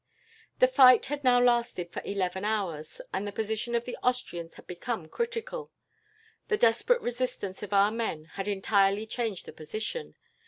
"The fight had now lasted for eleven hours, and the position of the Austrians had become critical. The desperate resistance of our men had entirely changed the position.